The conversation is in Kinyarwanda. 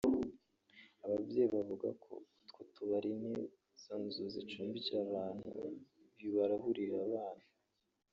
Ababyeyi bavuga ko utwo tubari n’izo nzu zicumbikira abantu bibararurira abana